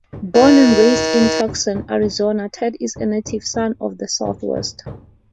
Born and raised in Tucson, Arizona, Ted is a native son of the Southwest.